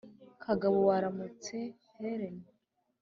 kagabo: waramutse helen.